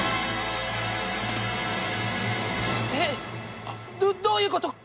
えっどういうこと？